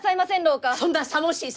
そんなさもしい